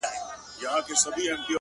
o له دغي خاوري مرغان هم ولاړل هجرت کوي،